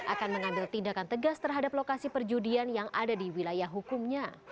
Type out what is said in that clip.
akan mengambil tindakan tegas terhadap lokasi perjudian yang ada di wilayah hukumnya